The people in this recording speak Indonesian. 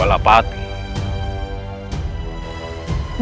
silahkan beli nieda teh